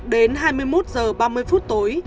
đến hai mươi một h ba mươi phút tối